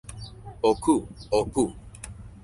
o ku. o pu.